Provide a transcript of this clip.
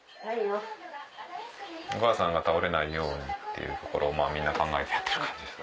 お母さんが倒れないようにっていうところをみんな考えてやってる感じです。